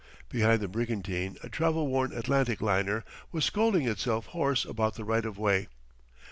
Behind the brigantine a travel worn Atlantic liner was scolding itself hoarse about the right of way.